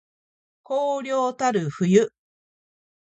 荒涼たる冬